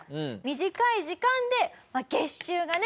短い時間で月収がね